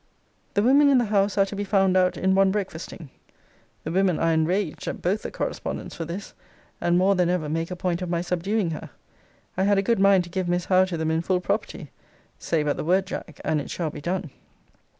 'The women in the house are to be found out in one breakfasting.' The women are enraged at both the correspondents for this; and more than ever make a point of my subduing her. I had a good mind to give Miss Howe to them in full property. Say but the word, Jack, and it shall be done.